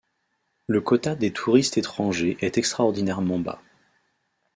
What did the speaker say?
Le quota des touristes étrangers est extraordinairement bas.